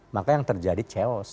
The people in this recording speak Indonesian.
maka yang terjadi ceos